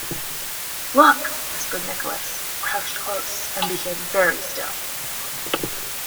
“Look!” whispered Nicholas, crouched close, and became very still.